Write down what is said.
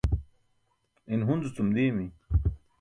in Hunzu-cum diimi